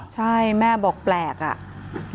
ใช่แม่บอกแปลกอ่ะ